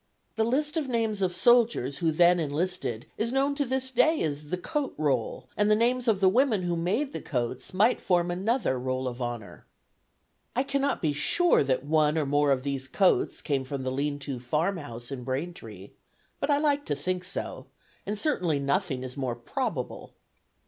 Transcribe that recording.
The list of names of soldiers who then enlisted is known to this day as the 'Coat Roll,' and the names of the women who made the coats might form another roll of honor." I cannot be sure that one or more of these coats came from the lean to farmhouse in Braintree, but I like to think so, and certainly nothing is more probable.